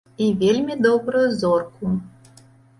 І вельмі добрую зорку.